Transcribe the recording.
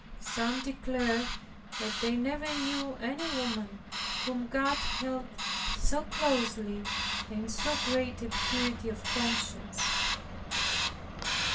Some declared that they never knew any woman whom God held so closely, and in so great a purity of conscience.